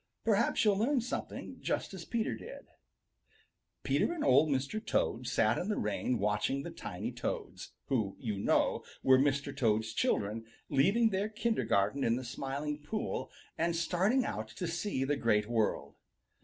Perhaps you'll learn something just as Peter did. Peter and Old Mr. Toad sat in the rain watching the tiny Toads, who, you know, were Mr. Toad's children, leaving their kindergarten in the Smiling Pool and starting out to see the Great World.